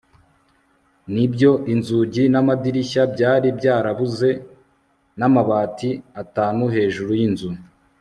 nibyo, inzugi n'amadirishya byari byarabuze n'amabati atanu hejuru yinzu